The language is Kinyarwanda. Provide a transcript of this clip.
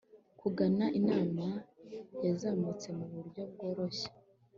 kugana imana yazamutse mu buryo bworoshye